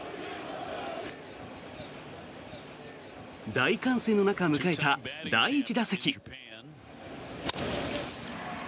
大歓声の中迎えた第１打席。